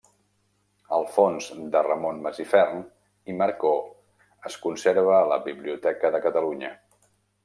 El fons de Ramon Masifern i Marcó es conserva a la Biblioteca de Catalunya.